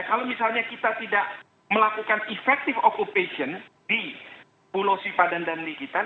kalau misalnya kita tidak melakukan effective occupation di pulau sipadan dan likitan